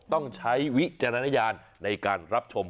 ต้องใช้วิจารณญาณในการรับชม